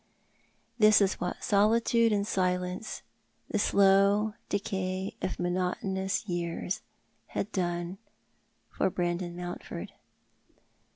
This was what solitude and silence, the slow decay of mono tonous years, had done for Brandon Mountford.